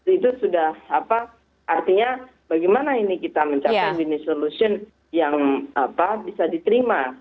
itu sudah apa artinya bagaimana ini kita mencapai winnis solution yang bisa diterima